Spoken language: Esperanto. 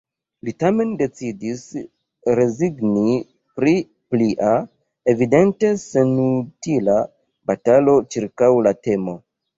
Li tamen decidis rezigni pri plia, evidente senutila batalo ĉirkaŭ la temo.